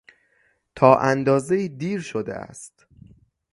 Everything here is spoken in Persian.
تا اندازهای دیر شده است.